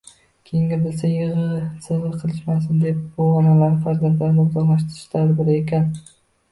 Keyin bilsa, yigʻi-sigʻi qilishmasin deb, bu onalarni farzandlaridan uzoqlashtirish “tadbiri”ekan.